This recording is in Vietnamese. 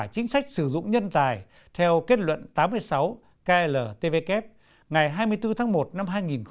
chính sách sử dụng nhân tài theo kết luận tám mươi sáu kltvk ngày hai mươi bốn tháng một năm hai nghìn một mươi